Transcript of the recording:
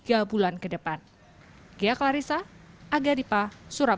ini adalah kemungkinan untuk pembayaran yang akan diperlukan